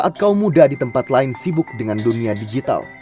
ini adalah satu bentuk tulusan yang ada di segitu